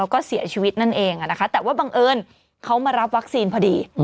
แล้วก็เสียชีวิตนั่นเองนะคะแต่ว่าบังเอิญเขามารับวัคซีนพอดี